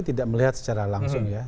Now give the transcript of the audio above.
tidak melihat secara langsung ya